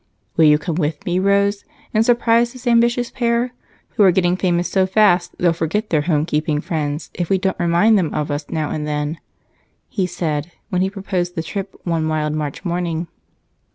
"Will you come with me, Rose, and surprise this ambitious pair who are getting famous so fast they'll forget their homekeeping friends if we don't remind them of us now and then?" he said when he proposed the trip one wild March morning.